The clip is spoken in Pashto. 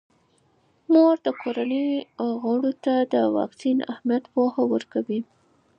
مور د کورنۍ غړو ته د واکسین اهمیت پوهه ورکوي.